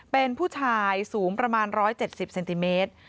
เป็นผู้ชายสูงประมาณ๑๗๐เซนติเมตร